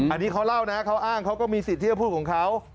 อันนี้เขาเล่านะเขาอ้างเขาก็มีสิทธิ์ที่จะพูดของเขา